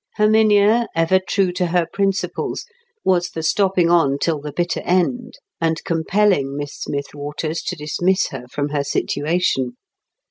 Herminia, ever true to her principles, was for stopping on till the bitter end, and compelling Miss Smith Waters to dismiss her from her situation.